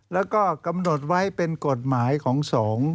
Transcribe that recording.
แล้วก็กำหนดไว้เป็นกฎหมายของสงฆ์